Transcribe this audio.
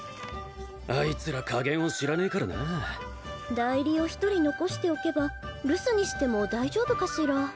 あいつら加減を知らねえからな代理を１人残しておけば留守にしても大丈夫かしら？